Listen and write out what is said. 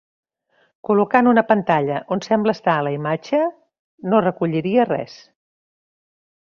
Col·locant una pantalla on sembla estar la imatge, no recolliria res.